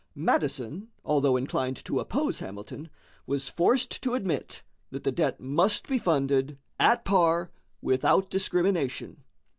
Madison, although inclined to oppose Hamilton, was forced to admit that the debt must be funded at par without discrimination.